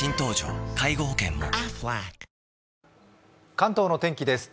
関東の天気です。